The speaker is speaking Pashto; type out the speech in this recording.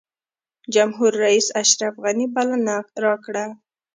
جمهورریس اشرف غني بلنه راکړه.